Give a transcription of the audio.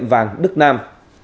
tiệm vàng đức nam